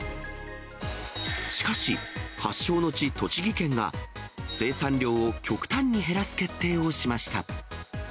しかし、発祥の地、栃木県が、生産量を極端に減らす決定をしました。